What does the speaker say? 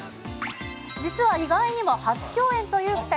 実は意外にも初共演という２人。